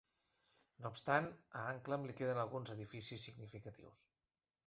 No obstant, a Anklam li queden alguns edificis significatius.